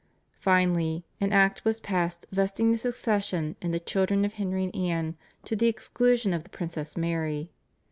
Finally, an Act was passed vesting the succession in the children of Henry and Anne to the exclusion of the Princess Mary.